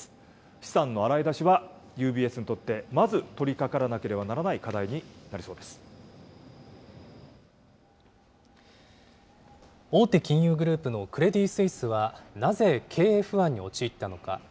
資産の洗い出しは、ＵＢＳにとって、まず取りかからなければなら大手金融グループのクレディ・スイスは、なぜ経営不安に陥ったのか。